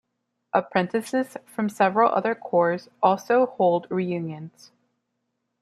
Apprentices from several other corps also hold reunions.